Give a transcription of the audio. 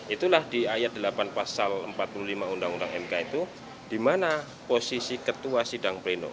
itulah di ayat delapan pasal empat puluh lima undang undang mk itu di mana posisi ketua sidang pleno